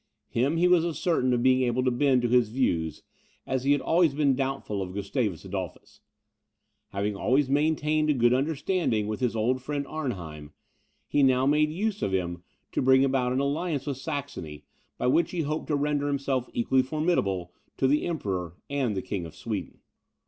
Him he was as certain of being able to bend to his views, as he had always been doubtful of Gustavus Adolphus. Having always maintained a good understanding with his old friend Arnheim, he now made use of him to bring about an alliance with Saxony, by which he hoped to render himself equally formidable to the Emperor and the King of Sweden.